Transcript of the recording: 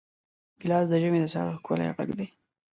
ګیلاس د ژمي د سحر ښکلی غږ دی.